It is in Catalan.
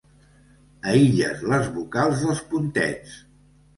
Aïlles les vocals dels puntets.